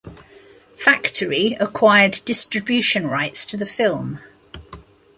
Factory acquired distribution rights to the film.